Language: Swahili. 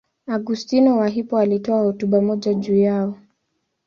Augustino wa Hippo alitoa hotuba moja juu yao.